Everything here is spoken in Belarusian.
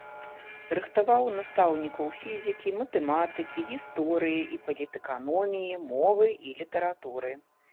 Рыхтаваў настаўнікаў фізікі, матэматыкі, гісторыі і палітэканоміі, мовы і літаратуры.